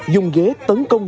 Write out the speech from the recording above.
dùng ghế tấn công